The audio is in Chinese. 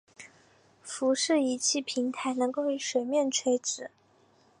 浮式仪器平台能够与水面垂直。